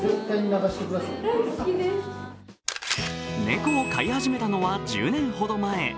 猫を飼い始めたのは１０年ほど前。